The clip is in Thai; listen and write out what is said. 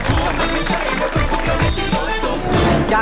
โอ้โฮ